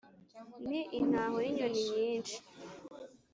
ni intaho y'inyoni nyinshi